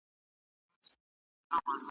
بل چا ته د غولولو موقع مه ورکوه.